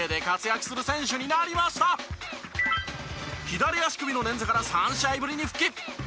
左足首の捻挫から３試合ぶりに復帰。